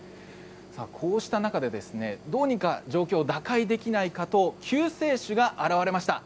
こうした中でどうにか状況を打開できないかと救世主が現れました。